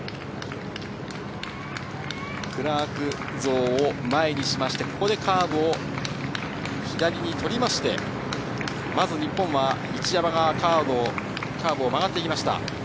クラーク像を前にしましてここで、カーブを左にとりまして、まず日本は一山がカーブを曲がっていきました。